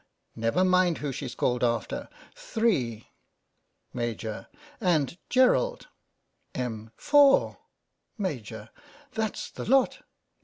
: Never mind who's she's called after. Three ! Maj. : And Gerald. Em. : Four ! Maj. : That's the lot.